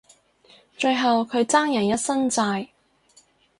最後佢爭人一身債